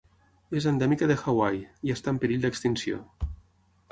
És endèmica de Hawaii, i està en perill d'extinció.